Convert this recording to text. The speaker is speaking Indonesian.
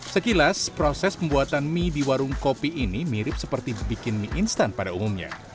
sekilas proses pembuatan mie di warung kopi ini mirip seperti bikin mie instan pada umumnya